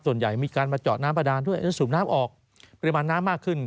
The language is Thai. ส่วนใหญ่มีการมาเจาะน้ำบาดานด้วยแล้วสูบน้ำออกปริมาณน้ำมากขึ้น